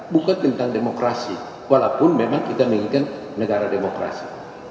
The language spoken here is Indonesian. bukan tentang demokrasi walaupun memang kita menginginkan negara demokrasi